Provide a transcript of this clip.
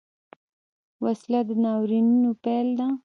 وسله د ناورینونو پیل ده